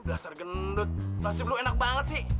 belasar gendut rasip lo enak banget sih